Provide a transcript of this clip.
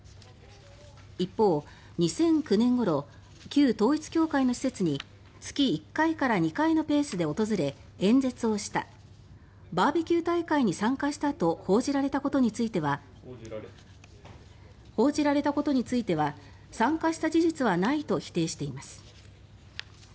一方、「２００９年ごろ旧統一教会の施設に月１回から２回のペースで訪れ演説をした」「バーベキュー大会に参加した」と報じていることについては「参加した事実はない」と否定しています。